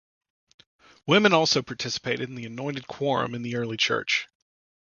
Women also participated in the Anointed Quorum in the early church.